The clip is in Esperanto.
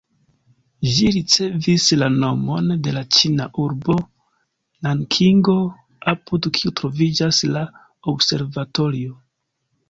Ĝi ricevis la nomon de la ĉina urbo Nankingo, apud kiu troviĝas la observatorio.